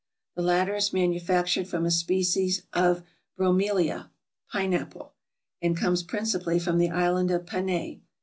The latter is manufactured from a spe cies of Bromclia (pine apple), and comes principally from the island of Panay.